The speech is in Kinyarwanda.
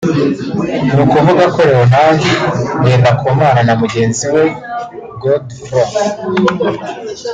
ni ukuvuga ko Léonard Ngendakumana na mugenzi we Godfroid